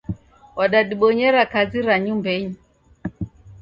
Wadadibonyera kazi ra nyumbenyi